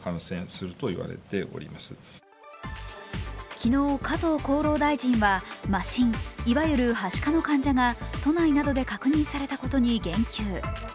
昨日、加藤厚労大臣は麻疹、いわゆるはしかの患者が都内などで確認されたことに言及。